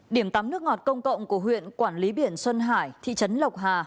điểm tắm nước ngọt công cộng của huyện quản lý biển xuân hải thị trấn lộc hà